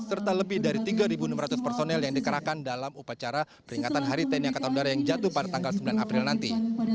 serta lebih dari tiga enam ratus personel yang dikerahkan dalam upacara peringatan hari tni angkatan udara yang jatuh pada tanggal sembilan april nanti